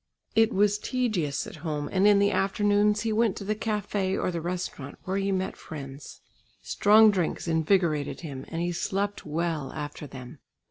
It was tedious at home, and in the afternoons he went to the café or the restaurant, where he met friends. Strong drinks invigorated him and he slept well after them.